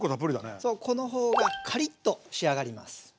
この方がカリッと仕上がります。